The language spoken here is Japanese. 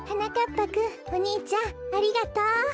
ぱくんおにいちゃんありがとう！